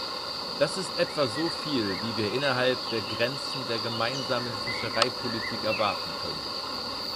Das ist etwa soviel, wie wir innerhalb der Grenzen der Gemeinsamen Fischereipolitik erwarten können.